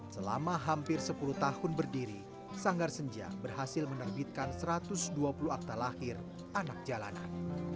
selama hampir sepuluh tahun berdiri sanggar senja berhasil menerbitkan satu ratus dua puluh akta lahir anak jalanan